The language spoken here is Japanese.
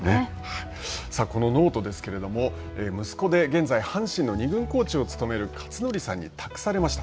さあ、このノートですけれども、息子で現在阪神の２軍コーチを務める克則さんに託されました。